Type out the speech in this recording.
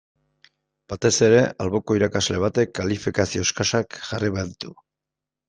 Batez ere alboko irakasle batek kalifikazio eskasak jarri baditu.